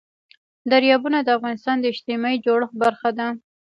دریابونه د افغانستان د اجتماعي جوړښت برخه ده.